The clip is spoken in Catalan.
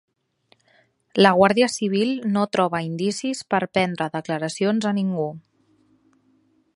La Guàrdia Civil no troba indicis per prendre declaracions a ningú